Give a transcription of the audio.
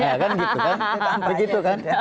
ya kan begitu kan